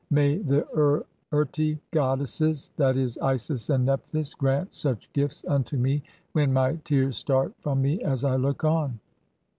May the Ur urti (6) goddesses (i. e., Isis and "Nephthys) grant such gifts unto me when my tears start from "jne as I look on.